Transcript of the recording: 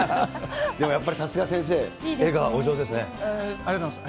言いました、でもやっぱり、さすが先生、ありがとうございます。